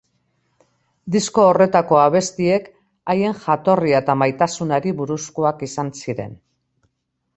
Disko horretako abestiek haien jatorria eta maitasunari buruzkoak izan ziren.